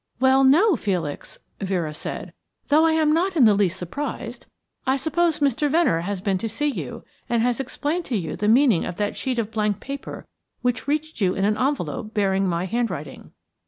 "Well no, Felix," Vera said. "Though I am not in the least surprised. I suppose Mr. Venner has been to see you and has explained to you the meaning of that sheet of blank paper which reached you in an envelope bearing my handwriting."